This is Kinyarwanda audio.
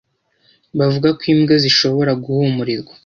bavuga ko imbwa zishobora guhumurirwa